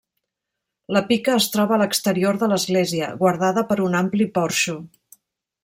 La pica es troba a l'exterior de l'església, guardada per un ampli porxo.